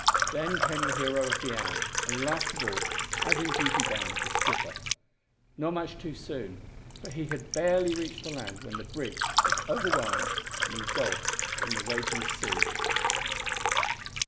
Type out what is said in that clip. Then came the hero of the hour, and last of all, as in duty bound, the skipper not much too soon, for he had barely reached the land when the brig was overwhelmed and engulfed in the raging sea.